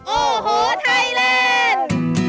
โอ้โหไทยแลนด์